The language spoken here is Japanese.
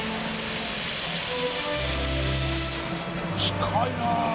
「近いな！」